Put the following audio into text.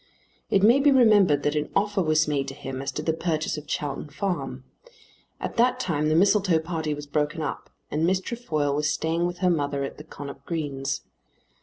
It may be remembered that an offer was made to him as to the purchase of Chowton Farm. At that time the Mistletoe party was broken up, and Miss Trefoil was staying with her mother at the Connop Greens.